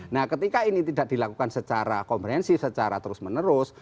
nah ketika ini tidak dilakukan secara komprehensif secara terus menerus